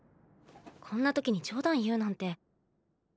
こんな時に冗談言うなんて。！